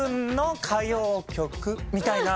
みたいな。